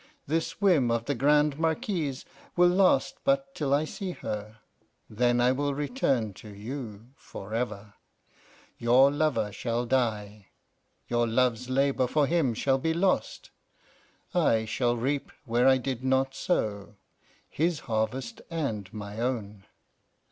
This whim of the Grande Marquise will last but till I see her; then I will return to you forever. Your lover shall die, your love's labour for him shall be lost. I shall reap where I did not sow his harvest and my own.